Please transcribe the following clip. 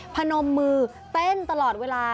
พนมมือเต้นตลอดเวลา